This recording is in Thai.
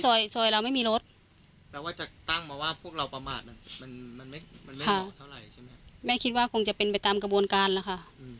ซอยเราไม่มีรถแม่คิดว่าคงจะเป็นไปตามกระบวนการแล้วค่ะ